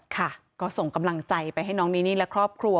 ค่ะก็ส่งกำลังใจไปให้น้องนีนี่และครอบครัว